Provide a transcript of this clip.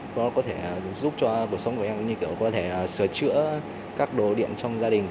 nó có thể giúp cho cuộc sống của em như kiểu có thể sửa chữa các đồ điện trong gia đình